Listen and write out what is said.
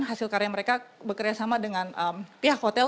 hasil karya mereka bekerja sama dengan pihak hotel